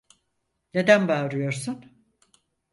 Neden bağırıyorsun?